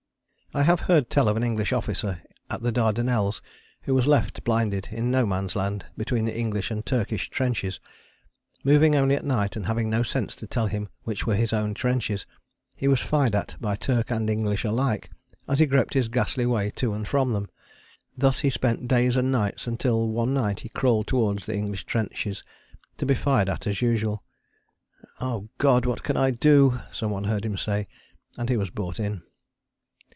I have heard tell of an English officer at the Dardanelles who was left, blinded, in No Man's Land between the English and Turkish trenches. Moving only at night, and having no sense to tell him which were his own trenches, he was fired at by Turk and English alike as he groped his ghastly way to and from them. Thus he spent days and nights until, one night, he crawled towards the English trenches, to be fired at as usual. "Oh God! what can I do!" some one heard him say, and he was brought in.